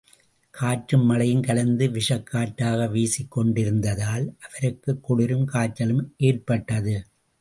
காற்றும் மழையும் கலந்து விஷக் காற்றாக வீசிக் கொண்டிருந்ததால், அவருக்குக் குளிரும், காய்ச்சலும் ஏற்பட்டது.